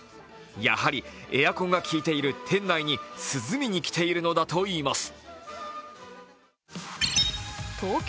やはり、エアコンがきいている店内に涼みに来ているのだといいます。